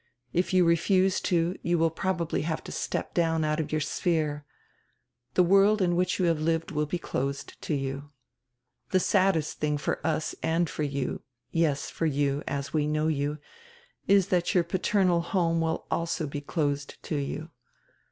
If you refuse to, you will prob ably have to step down out of your sphere. The world in which you have lived will be dosed to you. The saddest tiling for us and for you — yes, for you, as we know you — is diat your parental home will also be closed to you.